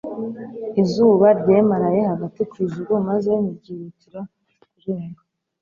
izuba ryemaraye hagati ku ijuru maze ntiryihutira kurenga